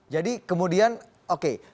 jadi kemudian oke